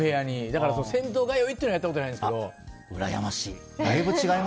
だから銭湯通いというのはやったことないんですけどうらやましい。